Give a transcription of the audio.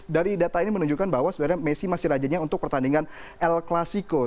dari data ini menunjukkan bahwa sebenarnya messi masih rajanya untuk pertandingan el clasico